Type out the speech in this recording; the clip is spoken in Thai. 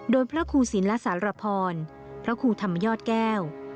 โดยพระครูศิลปสารพรพระครูธรรมยอดแก้ว